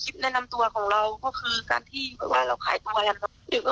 คลิปแนะนำตัวของเราก็คือการที่กับเราขายตัวนะหรือนี่